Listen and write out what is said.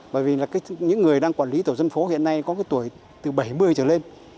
bởi vì những người đang quản lý tổ dân phố hiện nay có tuổi từ bảy mươi trở lên